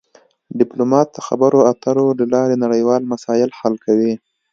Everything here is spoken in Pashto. ډیپلومات د خبرو اترو له لارې نړیوال مسایل حل کوي